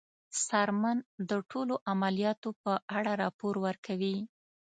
څارمن د ټولو عملیاتو په اړه راپور ورکوي.